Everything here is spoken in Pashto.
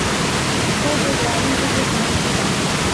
خور د دعایي ژبې خاوندې ده.